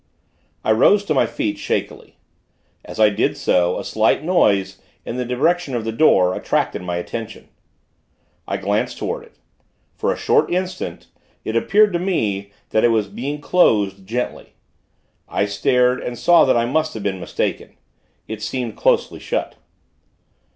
I rose to my feet, shakily. As I did so, a slight noise, in the direction of the door, attracted my attention. I glanced toward it. For a short instant, it appeared to me that it was being closed, gently. I stared, and saw that I must have been mistaken it seemed closely shut.